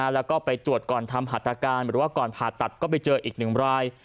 แล้วก็ไปตรวจก่อนทำหัตการณ์หรือว่าก่อนผ่าตัดก็ไปเจออีก๑ราย